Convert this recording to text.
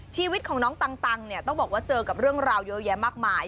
ชีวิตของน้องตังเนี่ยต้องบอกว่าเจอกับเรื่องราวเยอะแยะมากมาย